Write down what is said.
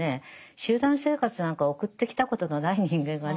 集団生活なんか送ってきたことのない人間がね